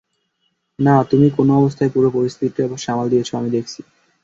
না, তুমি কোন অবস্থায় পুরো পরিস্থিতিটা সামাল দিয়েছো আমি দেখেছি।